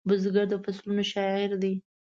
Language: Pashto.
بزګر د فصلونو شاعر دی